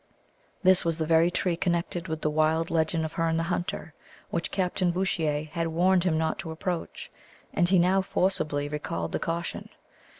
This was the very tree connected with the wild legend of Herne the Hunter, which Captain Bouchier had warned him not to approach, and he now forcibly recalled the caution.